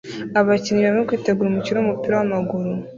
Abakinnyi barimo kwitegura umukino wumupira wamaguru